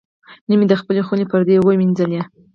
نن مې د خپلې خونې پردې وینځلې.